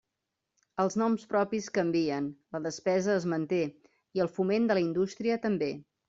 Els noms propis canvien, la despesa es manté i el foment de la indústria també.